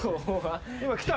今来た？